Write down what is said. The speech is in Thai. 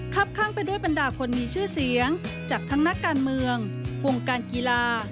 ข้างไปด้วยบรรดาคนมีชื่อเสียงจากทั้งนักการเมืองวงการกีฬา